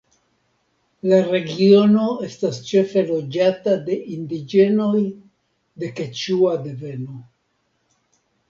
La regiono estas ĉefe loĝata de indiĝenoj de keĉua deveno.